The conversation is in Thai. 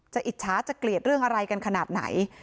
อิจฉาจะเกลียดเรื่องอะไรกันขนาดไหน